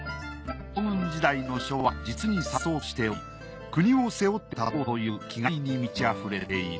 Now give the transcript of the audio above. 将軍時代の書は実にさっそうとしており国を背負って立とうという気概に満ち溢れている。